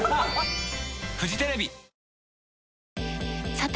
さて！